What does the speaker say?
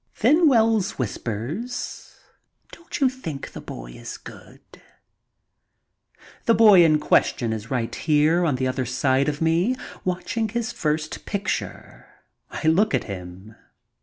Then Wells whispers, "Don't you think the boy is good?" The boy in question is right here on the other side of me, watching his first picture, I look at him.